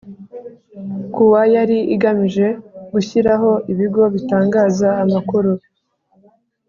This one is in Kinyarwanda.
Kuwa yari igamije gushyiraho ibigo bitangaza amakuru